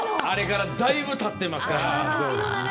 あれから、だいぶたってますから。